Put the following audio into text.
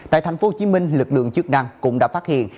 tại tp hcm lực lượng chức năng cũng đã phát hiện